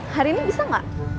hari ini bisa gak